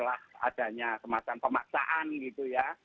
adanya semacam pemaksaan gitu ya